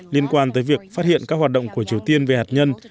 liên quan tới việc phát hiện các hoạt động của triều tiên về hạt nhân